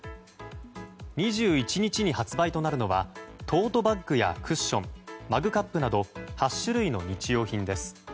２１日に発売となるのはトートバッグやクッションマグカップなど８種類の日用品です。